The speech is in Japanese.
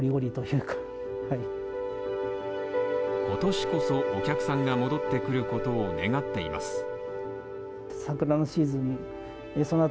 今年こそお客さんが戻ってくることを願っています。